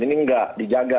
ini enggak dijaga